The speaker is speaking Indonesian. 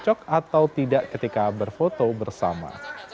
cocok atau tidak ketika berfoto bersama